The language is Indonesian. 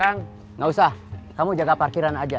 makanya purs samuel jabar sisi gue sujar